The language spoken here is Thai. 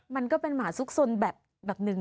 มันก็เป็นหมาซุกซนแบบหนึ่ง